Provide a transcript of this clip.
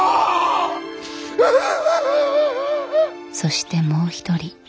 そしてもう一人。